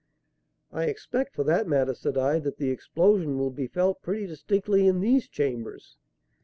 "I expect, for that matter," said I, "that the explosion will be felt pretty distinctly in these chambers."